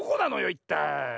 いったい。